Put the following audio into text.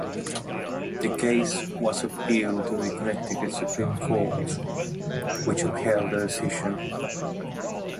The case was appealed to the Connecticut Supreme Court, which upheld the decision.